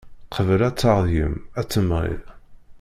Qbel ad taɣ deg-m, ad temɣi.